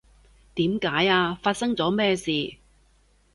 點解呀？發生咗咩事？